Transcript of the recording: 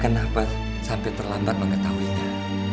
kenapa sampai terlambat mengetahuinya